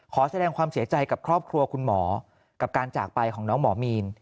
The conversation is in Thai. ขอแสดงความเสียใจกับครอบครัวคุณหมอกับการจากไปของน้องหมอมีน